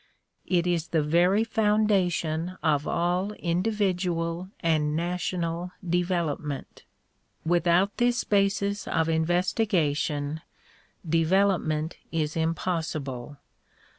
It is the very foundation of all indi vidual and national development. Without this basis of investiga tion, development is impossible.